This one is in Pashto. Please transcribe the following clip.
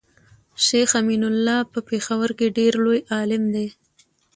شيخ امين الله په پيښور کي ډير لوي عالم دی